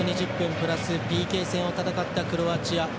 プラスＰＫ戦を戦ったクロアチア。